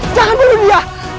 jangan bunuh dia